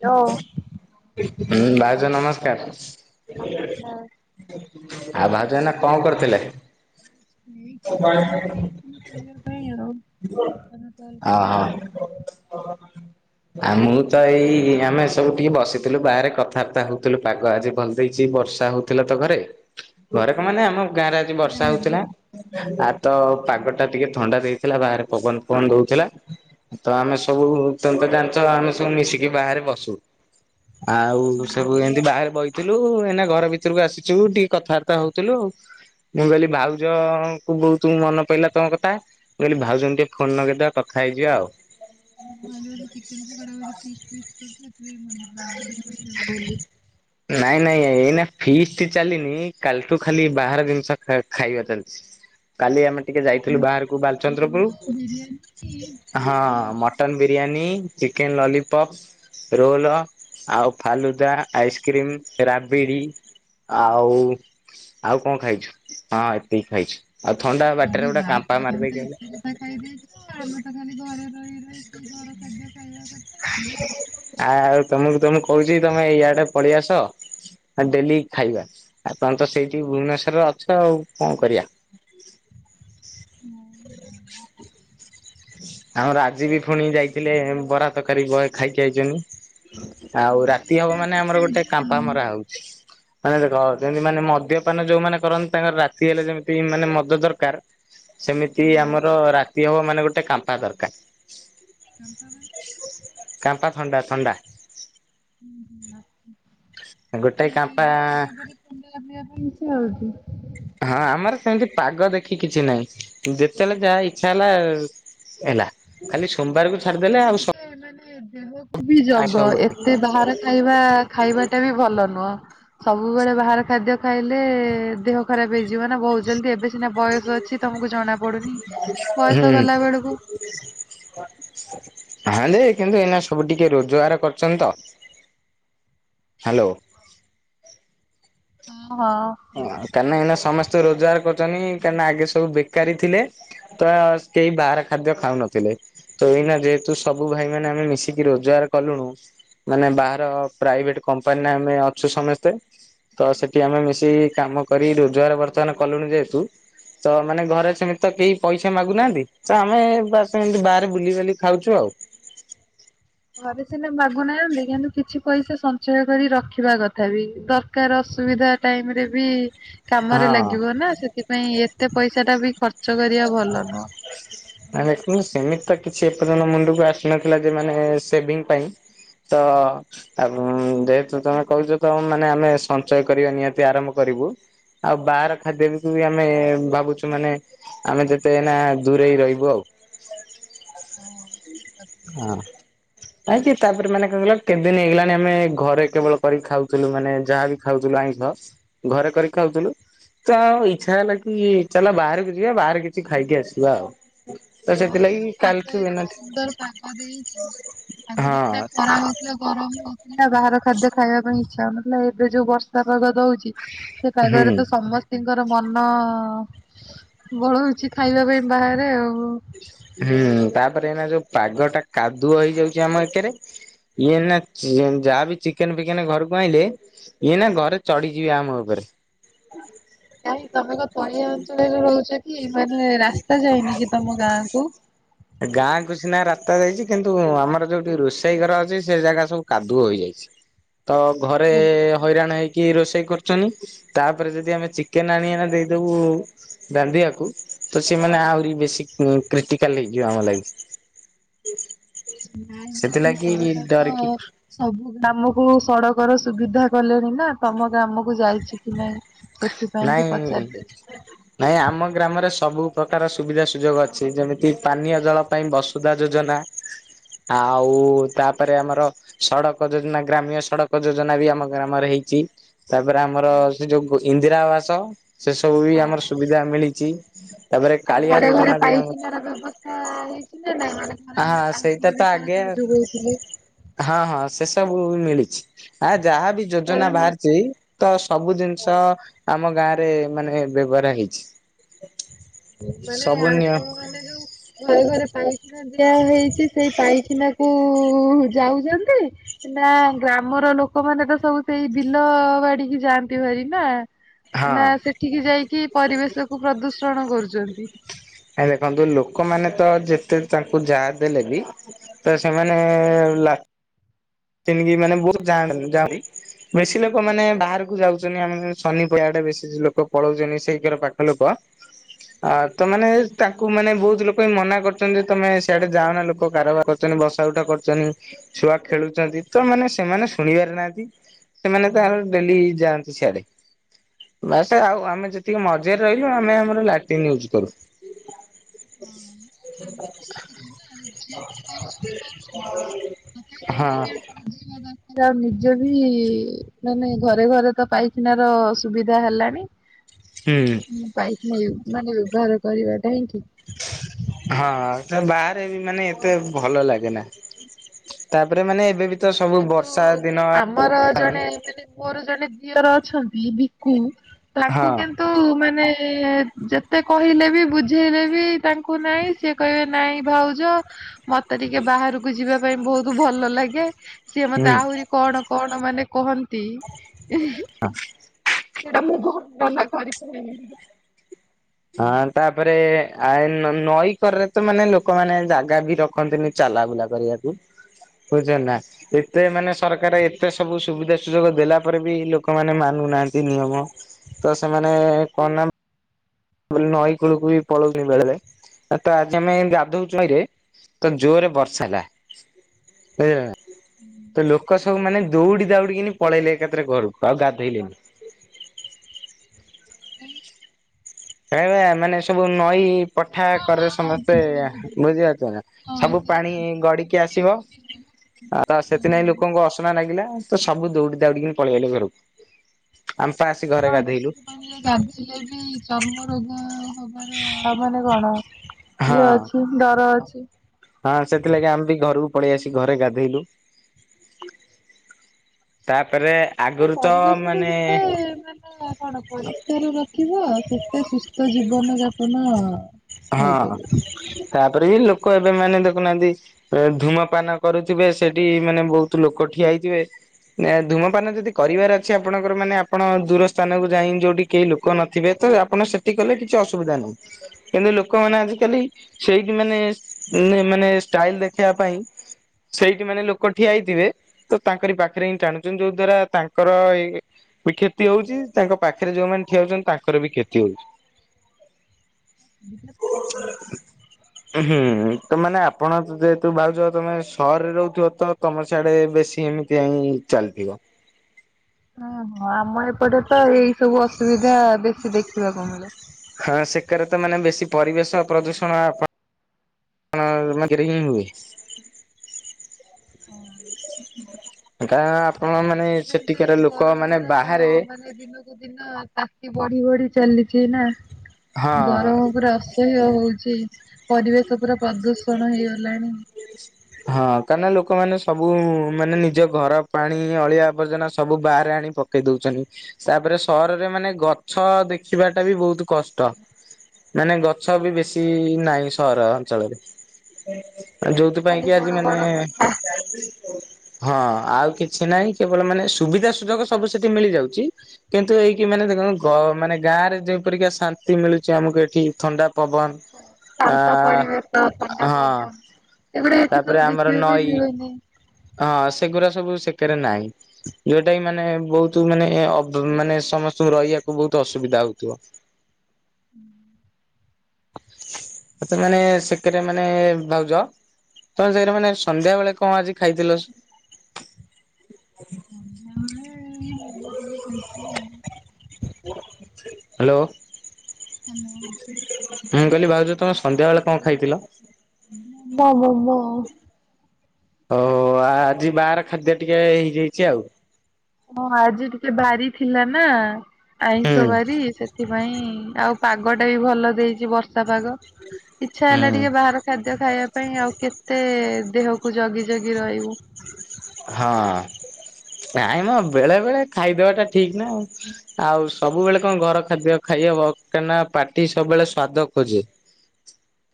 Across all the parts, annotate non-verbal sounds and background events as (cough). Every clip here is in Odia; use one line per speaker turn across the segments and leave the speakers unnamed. ହ୍ୟାଲୋ।
ହଁ ଭାଉଜ ନମସ୍କାର। ଆଉ
ନମସ୍କାର
ଭାଉଜ ଏଇନା କଣ କରୁଥିଲେ?
ଏଇ କିଛି
ଓହୋ
ନାଇଁ ଯାଇଥିଲି ଶୋଇବା ପାଇଁ ଆଉ ତମେ
(unintelligible)
କଲ୍ କଲ ଆଉ।
ମୁଁ ତ ଏଇ ଆମେ ସବୁ ଟିକେ ବସିଥିଲୁ ବାହାରେ କଥାବାର୍ତ୍ତା ହଉଥିଲୁ ପାଗ ଆଜି ଭଲ ଦେଇଛି ବର୍ଷା ହଉଥିଲା ତ ଘରେ। ଘରେ କଣ ମାନେ ଆମ ଗାଁରେ ଆଜି ବର୍ଷା
ଗାଁରେ
ହଉଥିଲା। ଆ ତ ପାଗଟା ଟିକେ ଥଣ୍ଡା ଦେଇଥିଲା ବାହାରେ ପବନ ଫବନ ଦେଉଥିଲା। ତ ଆମେ ସବୁ ତମେ ତ ଜାଣିଛ ଆମେ ସବୁ ମିଶିକି ବାହାରେ ବସୁ। ଆଉ
ହଁ।
ସବୁ ଏମିତି ବାହାରେ ବଇଥିଲୁ। ଏଇନା ଘର ଭିତରକୁ ଆସିଛୁ ଟିକେ କଥାବାର୍ତ୍ତା ହେଉଥିଲୁ। ମୁଁ କହିଲି ଭାଉଜ ତ ବହୁତ ମନ ପଇଲା ତମ କଥା। ମୁଁ କହିଲି ଭାଉଛଙ୍କୁ ଟିକେ ଫୋନ ନଗେଇଦେବା ହେଇଯିବା ଆଉ।
(unintelligible) ଚିକେନ ପକଡା ବୋଧେ ଫିଷ୍ଟ ଫିଷ୍ଟ କରିଛ ସେଇଥିପାଇଁ ମନେପଇଲା ମୋ କଥା ବୋଲି।
ନାଇଁ ନାଇଁ ଏଇନା ଫିଷ୍ଟ ଚାଲିନି କାଲିଠୁ ଖାଲି ବାହାର ଜିନିଷ ଖାଇବା ଚାଲିଛି। କାଲି ଆମେ ଟିକେ
କଣ
ଯାଇଥିଲୁ ବାହାରକୁ
ମୋମୋ ବିରିୟାନୀ
ବାଲଚନ୍ଦ୍ରପୁର। ହଁ
ଏଇଆକୁ।
Mutton biryani, chicken lollipop, roll. ଆଉ ଫାଲୁଦା, ଆଇସ୍କ୍ରିମ, ରାବିଡ଼ି ଆଉ ଆଉ କଣ ଖାଇଛୁ? ହଁ ଏତିକି ଖାଇଛୁ। ଆଉ ଥଣ୍ଡା
ଆରେ
ବାଟରେ ଗୋଟେ କାମ୍ପା
ବାପରେ ତମେ ତ
ମାରିଦେଇକି ଆଇଲି।
ଏତେ କଥା ଖାଇ ଦେଇଛୁ ଆମେ ତା ଖାଲି ଘରେ ରହି ରହି ସେଇ ଘର ଖାଦ୍ୟ ଖାଇବା କ
ଆଉ ତମକୁ ତମକୁ କହୁଛି ତମେ ଇଆଡେ ପଳେଇ ଆସ। ଡେଲି ଖାଇବା ଆପଣ ତ ସେଇଠି ଭୁବନେଶ୍ଵରରେ ଅଛ ଆଉ କଣ କରିବା।
ହୁଁ
ଆମର ଆଜି ବି ପୁଣି ଯାଇଥିଲେ ବରା ତରକାରୀ ବହେ ଖାଇକି ଆଇଛନ୍ତି। ଆଉ
ହଉ
ରାତି
ଏକା
ହବ
ଏକା
ମାନେ ଆମର ଗୋଟେ
ଖାଇଦିଅ ଆଉ
କାମ୍ପା ମରା ହଉଛି। ମାନେ ଦେଖ ଯେମିତି ମାନେ ମଦ୍ୟପାନ ଯୋଉମାନେ କରନ୍ତି ତାଙ୍କର ରାତି ହେଲେ ଯେମିତି ମାନେ ମଦ ଦରକାର ସେମିତି
ହଁ।
ଆମର ରାତି ହବ ମାନେ ଗୋଟେ କାମ୍ପା ଦରକାର।
କ (unintelligible)
କାମ୍ପା ଥଣ୍ଡା ଥଣ୍ଡା
ହୁଁ ହୁଁ
ଗୋଟେ କାମ୍ପା
(unintelligible) ହଉଛି
ହଁ ଆମର ସେମିତି ପାଗ ଦେଖି କିଛି ନାହିଁ ଯେତେବେଳେ ଯାହା ଇଚ୍ଛା ହେଲା ହେଲା। ଖାଲି ସୋମବାରକୁ ଛାଡି
କିନ୍ତୁ ଟିକେ ମାନେ ଦେହ ବି
ଆଇଁଷ
ଜଗ
ହୁଏ
ଏତେ ବାହାର ଖାଇବା ଖାଇବାଟା ବି ଭଲ ନୁହଁ। ସବୁବେଳେ ବାହାର ଖାଦ୍ୟ ଖାଇଲେ ଦେହ ଖରାପ ହେଇଯିବ ନା ବହୁତ ଜଲ୍ଦି। ଏବେ ସିନା ବୟସ ଅଛି ତମକୁ ଜଣା ପଡୁନି ବୟସ
ହୁଁ।
ଗଲା ବେଳକୁ
ହ ଦେ କିନ୍ତୁ ଏଇନା ସବୁ ଟିକେ ରୋଜଗାର କରିଛନ୍ତି ତ। ହ୍ୟାଲୋ।
ଓଁ ହଁ।
ହ କାଁକିନା ଏଇନା ସମସ୍ତେ ରୋଜଗାର କରୁଛନ୍ତି କାହିଁକିନା ଆଗେ ସବୁ ବେକାରୀ ଥିଲେ ତ କେହି ବାହାର ଖାଦ୍ୟ ଖାଉନଥିଲେ। ତ ଏଇନା ଯେହେତୁ ସବୁ ଭାଇ ମାନେ ଆମେ ମିଶିକି ରୋଜଗାର କଲୁଣୁ। ମାନେ ବାହାର ପ୍ରାଇଭେଟ କମ୍ପାନୀରେ ଆମେ ଅଛୁ ସମସ୍ତେ ତ ସେଠି ଆମେ ମି ସେ କାମ କରି ରୋଜଗାର ବର୍ତ୍ତମାନ କଲୁଣି ଯେହେତୁ ତ ମାନେ ଘରେ ସେମିତି ତ କେହି ପଇସା ମାଗୁନାହାନ୍ତି ତ ଆମେ ବା ସେମିତି ବାହାରେ ବୁଲିିବାଲି ଖାଉଛୁ ଆଉ।
ଘରେ ସନା ମାଗୁନାହାନ୍ତି କିନ୍ତୁ କିଛି ପଇସା ସଞ୍ଚୟ କରି ରଖିବା କଥା ବି ଦ କାର ଅସୁବିଧା ଟାଇମ ରେ ବି କାମରେ
ହଁ।
ଲାଗିବ ନା ସେଥିପାଇଁ ଏତେ ପଇସା ଟା ବି ଖର୍ଚ୍ଚ କରିବା ଭଲ ନୁହଁ।
ଦେଖନ୍ତୁ ସେମିତି ତ କିଛି ଏପର୍ଯ୍ୟନ୍ତ ମୁଣ୍ଡକୁ ଆସିନଥିଲା ଯେ ମ ସେଭିଙ୍ଗ ପାଇଁ। ତ ଆଉ ଯେହେତୁ ତମେ କହୁଛ ତମ ମାନେ ଆମେ ସଞ୍ଚୟ କରିବା ନିହାତି ଆରମ୍ଭ କରିବୁ। ଆଉ ବାହାର ଖାଦ୍ୟ ବିକୁ ବି ଆମେ ଭାବୁଛୁ ମାନେ ଆମେ ଯେତେ ଏଇନା ଦୂରେଇ ରହିବୁ ଆଉ।
ହଁ ଠିକ କଥା।
ହ। ଆଇ କି ତାପର ମାନେ କକହିଲ କେତେଦିନ ହେଇଗଲାଣି ଆମେ ଘରେ କେବଳ କରିକି ଖାଉଥିଲୁ ମାନେ ଯାହା ବି ଖାଉଥିଲୁ ଆଇ ଘରେ କରିକି ଖାଉଥିଲୁ। ତ ଆଉ ଇଚ୍ଛା ହେଲା କି ଚାଲ ବାହାରକୁ ଯିବା ବାହାରେ କିଛି ଖାଇକି ଆସିବା ଆଉ। ତ
ହଁ ଏଇ ଯୋଉ
ସେଥିଲାଗି କାଲି
ପାଗ
ଥିବ
ଏତେ
ଏନାଥ
ସୁନ୍ଦର ପାଗ ଦେଇଛି ଆଜିରୁ ସେ
ହଁ
ଖରା ଗରମ ହଉଥିଲା ବାହାର ଖାଦ୍ୟ ଖାଇବା ପାଇଁ ଇଚ୍ଛା ହଉନଥିଲା ଏବେ ଯୋଉ ବର୍ଷା ପାଗ ଦଉଛି ସେ
ହୁଁ
ପାଗରେ ତ ସମସ୍ତେ ଙ୍କର ମନ ବଳଉଛି ଖାଇବା ପାଇଁ ବାହାରେ ଆଉ।
ହୁଁ ତାପରେ ଏନା ଯୋଉ ପାଗ ଟା କାଦୁଅ ହେଇଯାଉଛି ଆମ ଏକରେ ଇଏ ନା ଯାହାବି ଚିକେନ ଫିକେନ ଘରକୁ ଆଣିଲେ ଇଏ ନା ଘରେ ଚଢିଯିବେ ଆମ ଉପରେ।
ନାଇଁ ତମେ ଗ ତଳିଆ ଅଞ୍ଚଳରେ ରହୁଛ କି ମାନେ ରାସ୍ତା ଯାଇନି କି ତମ ଗାଁ କୁ?
ଗାଁକୁ ସିନା ରାସ୍ତା ଯାଇଛି କିନ୍ତୁ ଆମର ଯୋଉଠି ରୋଷେଇ ଘର ଅଛି ସେ ଜାଗା ସବୁ କାଦୁଅ ହୋଇଯାଇଛି। ତ ଘରେ ହଇରାଣ ହେଇକି କି ରୋଷେଇ କରୁଛନ୍ତି ତାପରେ ଯଦି ଆମେ ଚିକେନ ଆଣି ଏଇନା ଦେଇଦବୁ ରାନ୍ଧିବାକୁ ତ ସେମାନେ ଆହୁରି ବେଶୀ କ୍ରିଟିକାଲ ହେଇଯିବ ଆମ ଲାଗି।
ନାଇଁ ମୁଁ କହିଲି
ସେଥିଲାଗି
ସରକାର
ଡରିକି
ତ ସବୁ ଗ୍ରାମକୁ ସଡକ ର ସୁବିଧା କଲେଣି ନା? ତମ ଗ୍ରାମକୁ ଯାଇଛି କି ନାଇଁ ସେ
ନାଇଁ। ନାଇଁ ଆମ ଗ୍ରାମରେ ସବୁ ପ୍ର୍ରକାର ସୁବିଧା ସୁଯୋଗ ଅଛି ଯେମିତି ପାନୀୟ ଜଳ ପାଇଁ ବ ସୁଧା ଯୋଜନା ଆଉ ତାପରେ ଆମର ସଡ଼କ ଯୋଜନା ଗ୍ରାମ୍ୟ ସଡକ ଯୋଜନା ବି ଆମ ଗ୍ରାମରେ ହେଇଛି। ତାପରେ ଆମର ସେ ଯୋଉ ଇ ନ୍ଦିରା ଆବାସ ସେ ସବୁ ବି ଆମର ସୁବିଧା ମିଳିଛି ତାପରେ
ଆଉ
କାଳିଆ
ଘରେ
ଯୋଜନା ବି ଆମର
ନାଇଁ ନାଇଁ ଘରେ ଘରେ
ହଁ ସେଇଟା
ପାଇଖୀନ
ତ
ବି
ଆଗେ
ସରକାର ଯୋଗଉଥିଲେ।
ହଁ ହଁ ସେ ସବୁ ମିଳିଛି ଆ ଯାହା ବି ଯୋଜନା
କାରଣ
ବାହାରିଛି ତ ସବୁ ଜିନିଷ ଆମ ଗାଁ ରେ ମାନେ ବ୍ୟବହାର ହେଇଛି।
ମାନେ
ସବୁ ନିୟ
ଆପଣ ମାନେ ଯୋଉ ଘରେ ଘରେ ପାଇଖାନା ଦିଆ ହେଇଛି ସେଇ ପାଇଖାନା କ ଯାଉଚନ୍ତି। ନା ଗ୍ରାମର ଲୋକମାନେ ତ ସବୁ ସେଇ ବିଲ ବାଡିକି ଯାଆନ୍ତି ଭାରି ନା। ନା
ହଁ।
ସେଠିକି ଯାଇକି ପରିବେଶକୁ ପ୍ରଦୂଷଣ କରୁଚନ୍ତି।
ଆ ଦେଖନ୍ତୁ ଲୋକମାନେ ତ ଯେତେ ତାଙ୍କୁ ଯାହା ଦେଲେ ବି ତ ସେମାନେ ଲା ଟିନ ମାନେ ବହୁତ ଜାଣ ଜାଣ ବେଶୀ ଲୋକମାନୋନେ ବାହାରକୁ ଯାଉଚନ୍ତି ଆମେ ଶନି ପହିବାଡେ ବେଶୀ ଲୋକ ପଳଉଚନ୍ତି ସେଇ ଘର ପାଖରେ (unintelligible) ହଁ ତ ମାନେ ତାଙ୍କୁ ମାନେ ବହୁତ ଲୋକ ହିଁ ମନା କରୁଛନ୍ତି ଯେ ତମେ ସେଆଡେ ଯାଉନା ଲୋକ କାରବାର ବସା ଉଠା କରୁଚନ୍ତି ଛୁଆ ଖେଳୁ ତ ମାନେ ସେମାନେ ଶୁଣିବାର ନାହାନ୍ତି ସେମାନେ ତ ଡେଲି ଯାଆନ୍ତି ସିଆଡେ। ବାସ ଆଉ ଆମେ ଯେତିକି ମଜରେ ରହିଲୁ ଆମେ ଆମର ଲାଟିନ ୟୁଜ କରୁ।
ହଁ ଆମେ ତ ଶିଖିୁ ନା ଯିଏ ତ କରୁଛନ୍ତିୁ କରୁଛନ୍ତିଥା ତା (unintelligible)
ହଁ
ବଝିବା ଦରକାର ଆଉ ନିଜ ବି ନ ନାଇଁ ଘରେ ଘରେ ତ ପାଇଖାନାର ସୁବିଧା ହେଲାଣି।
ହୁଁ।
ମୁଁ ପାଇକ ନାହିଁ ମାନେ ବ୍ୟବହାର କରିବାଟାହିଁ ଠିକ।
ହଁ ବାହାରେ ବି ମାନେ ଏତେ ଭଲ ଲାଗେ ନା। ତାପରେ ମାନେ ଏବେ ବି ତ ସବୁ
କିନ୍ତୁ
ବର୍ଷା ଦିନ
ଆମର
ହେଲାଣି
ଜଣେ ମାନେ ମୋର ଜଣେ ଝିଅର ଅଛନ୍ତି ଭକୁ ତାଙ୍କୁ
ହଁ
କିନ୍ତୁ ମାନେ ଯେତେ କହିଲେ ବି ବୁଝେଇଲେ ବି ତାଙ୍କୁ ନାଇଁ ସିଏ କହିବେ ନାଇଁ ଭାଉଜ ମତେ ଟିକେ ବାହାରକୁ ଯିବା ପାଇଁ ବହୁତ ଭଲ ଲାଗେ ସିଏ ମତେ
ହୁଁ
ଆହୁରି କଣ କଣ ମାନେ କହନ୍ତି ସେଇଟା ମୁଁ ବହୁତ ମନେ ନର୍ଣ୍ଣନା କରିପାରେନି।
ହଁ ତାପରେ ଆ ନଈକରରେ ତ ମାନେ ଲୋକମାନୋନ ଜାଗା ବି ରଖନ୍ତିନି ଚାଲା ବୁଲା କରିବାକୁ ବୁଝଚ ନା। ଏତେ ମାନେ ସରକାର ଏତେ ସବୁ ସୁବିଧା ସୁଯୋଗ ଦେଲା ପରେ ବି ଲୋକମାନେ ମାନୁନାହାନ୍ତି ନିୟମ। ତ ସେମାନେ କଣ ନା ନଈ କୂଳକୁ ବି ପଳଉନି ବେଳେଳେ। ଆଜି ଆମେ ଗାଧଉଚୁ ନଈ ରେ କଣ ଜୋରେ ବର୍ଷା ହେଲା। ବୁଝିଲନା? ତ ଲୋକ ସବୁ ମାନେ ଦୌଡି ଦଉଡିିକିନି ପଳେଇଲେ ଏକାଥରେ ଘରକୁ ଆଉ ଗାଧୋଇଲେନି।
କରି
କ ମାନେ ସବୁ ନଈ ପଠା
ହଁ ହଁ
କରେ
ହଁ
ସମସ୍ତେ
ବୁଝିଲି ବୁଝିଲି
ବୁଝିପାରୁଚ ନା
ହଁ
ସବୁ ପାଣି
ସେଇଟା ଦୂଷିତ
ଗଡିକି
ପାଣି
ଆସିବ
ଆସିକି ମିଶିବ
ଆଉ ତ ସେଥିିନାଇଁ
ହଁ
ଲୋକଙ୍କୁ ଅସନା ନାଗିଲା ତ ସବୁ ଦୌଡି ଦଉଡିକି ପଳେଇଅଇଲେ ଘରକୁ। ଆମ୍ ପା ଆସି ଘରେ ଗାଧୋଇଲୁ।
ହେଲେ ବି ଚର୍ମ ରୋଗ ହବାର ମାନେ କଣ
ହଁ
ଇଏ ଅଛି। ଡର ଅଛି।
ହଁ ସେଥିଲାଗି ଆମେ ବି ଘରକୁ ପଳେଇ ଆସିି ଘରେ ଗାଧେଇଲୁ। ତାପରେ ଆଗରୁ ତ
ପରିବେଶକୁ
ମାନେ
ଯେତେ ମାନେ କଣ ପରିଷ୍କାର ର ଦେଖିବ ସେତେ ସୁସ୍ଥ ଜୀବନ ଯାପନ
ହଁ
କରିପାରିବ।
ତାପରେ ବି ଲୋକ ଏବେ ମାନେ ଦେଖୁନାହାନ୍ତି ଏ ଧୂମପାନ କରୁଥିବେ ସେଠି ମାନେ ବହୁତ ଲୋକ ଠିଆ ହେଇଥିବେ। ନା ଧୂମପାନ ଯଦି କରିବାର ଅଛି ଆପଣଙ୍କର ମାନେ ଆପଣ ଦୂର ସ୍ଥାନକୁ ଯାଇ ଯୋଉଠି କେହି ଲୋକ କ ନଥିବେ ତ ଆପଣ ସେଠି କଲେ କିଛି ଅସୁବିଧା ନାହିଁ। କିନ୍ତୁ ଲୋକମାନେ ଆଜିକାଲି ସେଇଠି ମାନେ ନେ ମାନେ ଷ୍ଟାଇଲ ଦେଖିଆ ପାଇଁ ସେଇଠି ମାନେ ଲୋକ ଠିଆ ହେଇଥିବେ। ତ ତାଙ୍କରି ପାଖରେ ହିଁ ଟାଣୁଚନ୍ତି ଯୋଉ ଦ୍ଵାରା ତାଙ୍କର ଏ ବି କ୍ଷତି ହଉଚି ତାଙ୍କ ପାଖରେ ଯୋଉମାନେ ଠିଆ ହୋଉଚନ୍ତି ତାଙ୍କର ବି କ୍ଷତି ହଉଚି।
ଉ ସତ କଥା।
(inaudible) ହୁଁ ତୁ ମାନେ ଆପଣ ତ ଯେହେତୁ ଭାଉଜ ତମେ ସହରରେ ରହୁଥୁବ ତ ତମ ସିଆଡେ ବେଶୀ ଏମି ତିଆ ହିଁ ଚାଲିଥିବ।
ହଁ ହଁ ଆମ ଏପଟେ ତ ଏଇ ସବୁ ଅସୁବିଧା ବେଶୀ ଦେଖିବାକୁ ମିଳେ।
ଖାସ୍ ଏକରେ ତ ମାନେ ବେଶୀ ପରିବେଶ ପ୍ରଦୂଷଣ ଆପ ଣ ମ କିରେ ହିଁ ହୁଏ। କାରଣ ଆପଣ ମାନେ ସେଠିକାର ଲୋକ ମାନେ ବାହାରେ
ଏ ଦିନକୁ ଦିନ ତାତି ବଢ଼ି ବଢ଼ି ଚାଲିଚି ନା
ହଁ
ଗରମ ପୁରା ଅସ୍ ଏହ୍ୟ ହଉଚି ପରିବେଶ ପୁରା ପ୍ରଦୂଷଣ ହେଇଗଲାଣି।
ଇଆଇସି ହଁ କାରଣ ଲୋକମାନେ ସବୁ ମାନେ ନିଜ ଘର ପାଣି ଅଳିଆ ଆବର୍ଜନା ସବୁ ବାହାରେ ଆଣି ପ କେଇ ଦୋଉଚନି। ତାପରେ ସହରରେ ମାନେ ଗଛ ଦେଖିବାଟା ବି ବହୁତ କଷ୍ଟ। ମାନେ ଗଛ ବି ବେଶୀ ନାହିଁ ସହର ଅଞ୍ଚଳରେ। ଯୋଉଥିପାଇଁ କି ଆଜି ମାନେ
ବଡ କଥା।
ହଁ ଆଉ କିଛି ନାହିଁ କେବଳ ମାନେ ସୁବିଧା ସୁଯୋଗ ସବୁ ସେଠି ମିଳିଯାଉଚି। କିନ୍ତୁ ଏହି କି ମାନେ ଦେଖନ୍ତୁ ଘ ମାନେ ଗାଁରେ ଯେଉ ପରିକା ଶାନ୍ତି ମିଳୁଚି ଆମୁକୁ ଏଠି ଥଣ୍ଡା ପବନ। ଆ
ଶାନ୍ତ ପରିବେଶ ଥଣ୍ଡା
ହଁ
ପବନ ଏଗୁଡା ଏଠି ସବୁ ଦେଖିଆପାଇଁ ମିଳୁନି।
ଅ ସେଗୁରା ସବୁ ସେକେରେ ନାଇଁ। ଯୋଉଟା କି ମାନେ ବୋହୁତ ମାନେ ଅବ ମାନେ ସମସ୍ତଙ୍କୁ ରହିଆକୁ ବୋହୁତ ଅସୁବିଧା ହୋଉଥୁବ। (inaudible)
ହୁଁ।
ଆଚା ମାନେ ସେ କେରେ ମାନେ ଭାଉଜ ତମେ ସେଇରା ମାନେ ସନ୍ଧ୍ୟା ବେଳେ କଁ ଆଜି ଖାଇଥିଲ? (inaudible) ହାଲୋ। ମୁଁ କହିଲି ଭାଉଜ ତମେ ସନ୍ଧ୍ୟା ବେଳେ କଁ ଖାଇଥିଲ?
ମଣ୍ଡା ଭୋଗ।
ଓହୋ ଆ ଆଜି ବାହାର ଖାଦ୍ୟ ଟିକେ ହେଇଯାଇଚି ଆଉ।
ହଁ ଆଜି ଟିକେ ବାରି ଥିଲା ନାଁ ଆଇଁଷ
ହୁଁ
ବାରି ସେଥି ପାଇଁ ଆଉ ପାଗଟା ବି ଭଲ ଦେଇଚି ବର୍ଷା ପାଗ। ଇଚ୍ଛା ହେଲା
ହୁଁ।
ଟିକେ ବାହାର ଖାଦ୍ୟ ଖାଇବା ପାଇଁ ଆଉ କେତେ ଦେହ କୁ ଜଗି ଜଗି ରହିବୁ।
ହଁ ନାଇଁ ମ ବେଳେ ବେଳେ ଖାଇଦବାଟା ଠିକ୍ ନା ଆଉ। ଆଉ ସବୁବେଳେ କଁ ଘର ଖାଦ୍ୟ ଖାଇହବ କାଁନା ପାଟି ସବୁବେଳେ ସ୍ଵାଦ ଖୋଜେ।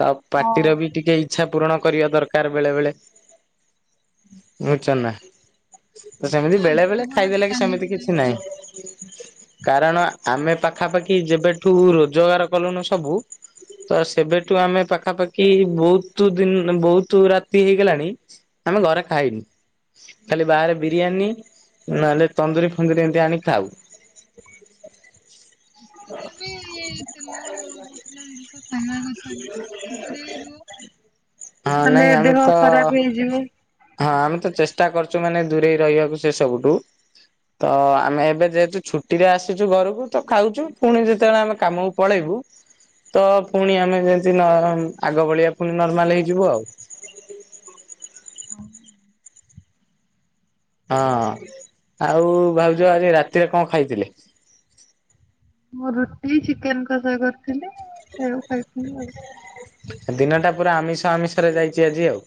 ଆଉ
ହଁ।
ପାଟିର ବି ଟିକେ ଇଚ୍ଛା ପୂରଣ କରିବା ଦରକାର ବେଳେ ବେଳେ। ଉଁ ଚନା ତ ସେମିତି ବେଳେ
ଆଜି
ବେଳେ
ଜୀବନ ତ
ଖାଇଦେଲେ କି
କାଲିକୁ
ସେମିତି
ନାହିଁ
କିଛି
ନା
ନାଇଁ। କାରଣ ଆମେ ପାଖାପାଖି ଯେବେଠୁ ରୋଜଗାର କଲୁଣୁ ସବୁ ତ ସେବେଠୁ ଆମେ ପାଖାପା କି ବୋହୁତୁ ଦିନ୍ ବହୁତୁ ରାତି ହେଇଗଲାଣି ଆମେ ଘରେ ଖାଇନୁ। ଖାଲି ବାହାରେ ବିରିୟାନୀ ନହେଲେ ତନ୍ଦୁରୀ ଫନ୍ଦୁରି ଏମ୍ତି ଆଣି ଖାଉ।
ହେଲେବି ତେଲ ମସଲାଜିନିଷ। ଖାଇବା କଥା ନୁହଁ ଟିକେ ଦୁରେଇ ରୁଅ
ହଁ ନାଇଁ
ନହେଲେ
ଆମେ
ଦେହ
ତ
ଖରାପ ହେଇଯିବ।
ହଁ ଆମେ ତ ଚେଷ୍ଟା କରୁଛୁମାନେ ଦୂରେଇ ରହିବାକୁ ସେ ସବୁଠୁ। ତ ଆମେ ଏବେ ଯେହେତୁ ଛୁଟିରେ ଆସିଚୁ ଘରକୁ ତ ଖାଉଚୁ ପୁଣି ଯେତେବେଳେ ଆମେ କାମ ପଳେଇବୁ ତ ପୁଣି ଆମେସେଦିନ ଆଗ ଭଳିଆ ପୁଣି ନର୍ମାଲ ହେଇଯିବୁ ଆଉ। ହଁ ଆଉ ଭାଉଜ ଆଜି ରାତିରେ କଣଖାଇଥିଲେ।
ମୁଁ ରୁଟି ଚିକେନ୍ କସା କରିଥିଲି ସେଇଆକୁ ଖାଇଥିଲି ଆଉ।
ଦିନଟା ପୁରା ଆମିଷ ଆମିଷ ରେ ଯାଇଚି ଆଜି ଆଉ।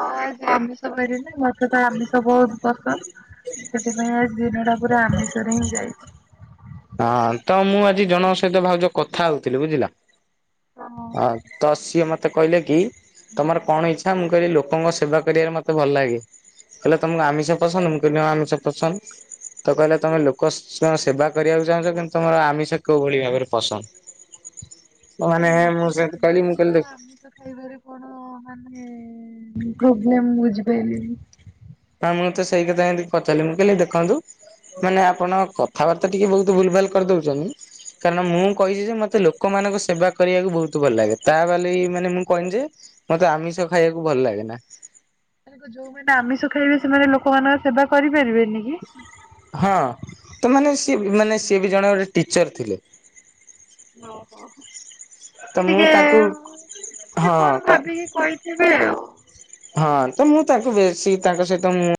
ହଁ ଆଜି ଆମିଷ ବାରି ନା ମତେ ତ ଆମିଷ ବହୁତ୍ ପସନ୍ଦ। ସେଥିପାଇଁ ଆଜି ଦିନଟା ପୁରା ଆମିଷରେ ହିଁ ଯାଇଛି।
ହଁ ତ ମୁଁ ଆଜି ଜଣଙ୍କ ସହିତ ଭାଉଜ କଥା ହଉଥିଲି ବୁଝିଲା।
ହଁ
ତ ସିଏ ମତେ ମତେ କହିଲେ କି ତମର କଣ ଇଚ୍ଛା ମୁଁ କହିଲି ଲୋକଙ୍କ ସେବା କରିବାରେ ମତେ ଭଲ ଲାଗେ। କହିଲେ ତମକୁ ଆମିଷ ପସନ୍ଦ ମୁଁ କହିଳି ହଁ ଆମିଷ ପସନ୍ଦ ତ କହିଲେ ତମେ ଲୋକ ସେବା। କରିବାକୁ ଚାହୁଁଛ କିନ୍ତୁ ତମର ଆମିଷ କୋଉ ଭଳି ଭାବରେ ପସନ୍ଦ। ମାନେ ମୁଁ ସେମିତି କହିଲି ଦେଖ।
ବୁଝିପନ। (unintelligible)
ହଁ ମୁଁ ତ ସେଇ କଥା ହି ପଚାରିଲିିନି ମୁଁକହିଲି ଦେଖନ୍ତୁ ମାନେ ଆପଣ କଥାବାର୍ତ୍ତା ଟିକେ ବହୁତ ଭୁଲ ଭାଲ କରି ଦଉଛନ୍ତି। କାରଣ ମୁଁ କହିଛି ଯେ ମତେ ଲୋକମାନାନଙ୍କ ସେବା କରିବାକୁ ବହୁତ ଭଲ ଲାଗେ ତା ବା ମାନେ ମୁଁ କହନି ଯେ। ମତେ ଆମିଷ ଖାଇବାକୁ ଭଲ ଲାଗେ ନା।
ତା ଯୋଉମାନେ ଆମିଷ ଖାଇବେ ସେମାନେ ଲୋକମାନଙ୍କ ସେବା କରିପାରିବେନି କି।
ହଁ ତ ମାନେ ସିଏ ମାନେ ସିଏ ବି ଜଣେ ଗୋଟେ ଟିଚର ଥିଲେ।
ଓହୋ
ତ ମୁଁ
ଟିକେ
ତାଙ୍କୁ
ସେ
ହଁ
କଣ
କା
ଭାବିକି କହିଲେ। ଥିବେ ଆଉ।
ହଁ ତ ମୁଁ ତାଙ୍କୁ ବେଶୀ ତାଙ୍କ ସହିତ ମୁଁ।